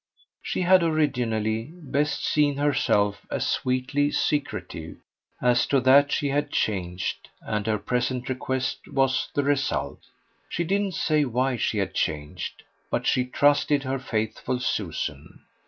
She had originally best seen herself as sweetly secretive. As to that she had changed, and her present request was the result. She didn't say why she had changed, but she trusted her faithful Susan.